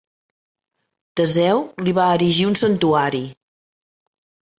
Teseu li va erigir un santuari.